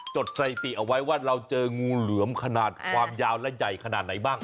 ดสถิติเอาไว้ว่าเราเจองูเหลือมขนาดความยาวและใหญ่ขนาดไหนบ้าง